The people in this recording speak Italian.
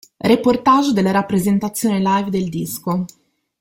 Reportage della rappresentazione live del disco